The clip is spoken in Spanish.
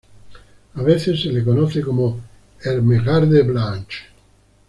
A veces se la conoce como "Ermengarde-Blanche.